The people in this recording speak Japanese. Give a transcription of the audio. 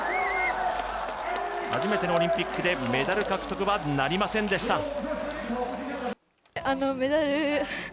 初めてのオリンピックでメダル獲得はなりませんでした。